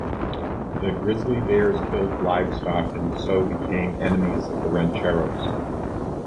The grizzly bears killed livestock and so became enemies of the rancheros.